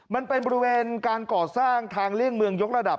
มันเป็นบริเวณการก่อสร้างทางเลี่ยงเมืองยกระดับ